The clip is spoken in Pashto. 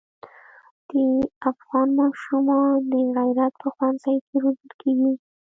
د افغان ماشومان د غیرت په ښونځي کې روزل کېږي.